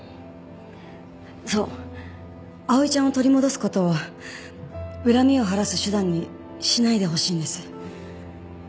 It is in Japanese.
そう碧唯ちゃんを取り戻す事を恨みを晴らす手段にしないでほしいんです。